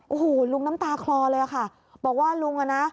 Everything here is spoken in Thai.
โอ้โหลุงน้ำตาคลอเลยค่ะบอกว่าลุงอ่ะนะ